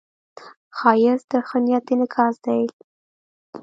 ښایست د ښه نیت انعکاس دی